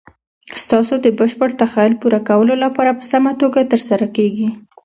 ستاسو د بشپړ تخیل پوره کولو لپاره په سمه توګه تر سره کیږي.